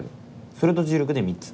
それと重力で３つ。